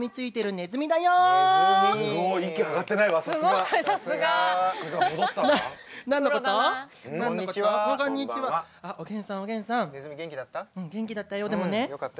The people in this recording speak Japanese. ねずみ元気だった？